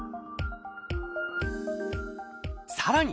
さらに